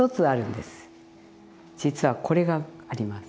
実はこれがあります。